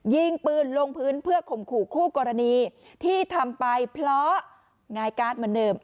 ยิงปืนลงพื้นเพื่อข่มขู่คู่กรณีที่ทำไปเพราะงายการ์ดเหมือนเดิม